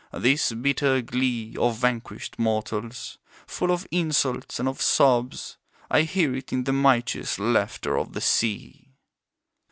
This bitter glee Of vanquished mortals, full of insults and of sobs, I hear it in the mighteous laughter of the sea.